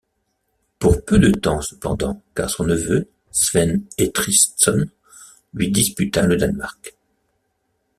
Pour peu de temps cependant, car son neveu, Sven Estrithson lui disputa le Danemark.